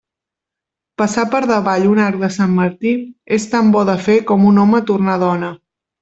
Passar per davall un arc de Sant Martí és tan bo de fer com un home tornar dona.